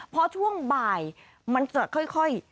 พอช่วงบ่ายมันจะค่อย